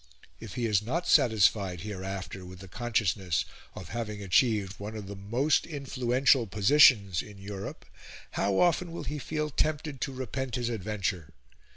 If he is not satisfied hereafter with the consciousness of having achieved one of the most influential positions in Europe, how often will he feel tempted to repent his adventure!